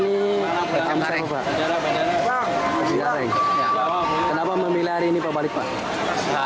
di sini kenapa memilih hari ini pak balik pak